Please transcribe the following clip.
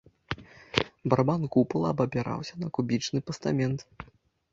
Барабан купала абапіраўся на кубічны пастамент.